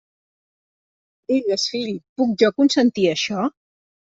Digues, fill, puc jo consentir això?